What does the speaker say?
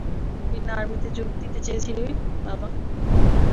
তুই না আর্মিতে যোগ দিতে চেয়েছিলি, বাবা?